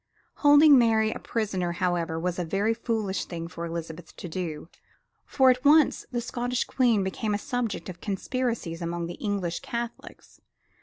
Holding Mary a prisoner was, however, a very foolish thing for Elizabeth to do, for at once the Scottish Queen became the subject of conspiracies among the English Catholics.